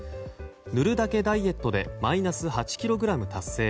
塗るだけダイエットでマイナス８ｋｇ達成。